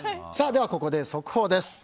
ではここで、速報です。